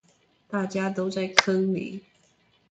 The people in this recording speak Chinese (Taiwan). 大家都在坑裡